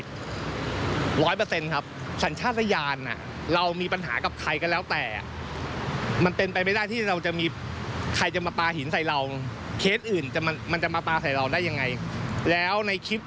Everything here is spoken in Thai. เดี๋ยวฟังพี่สุมิทเล่านะคะ